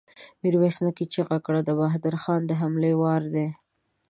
ميرويس نيکه چيغه کړه! د بهادر خان د حملې وار دی!